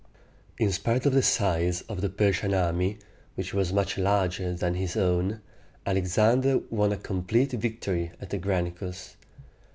In spite of the size of the Persian army, which was much larger than his own, Alexander won a complete victory at the Granicus.